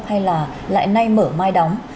hay là lại nay mở mai đóng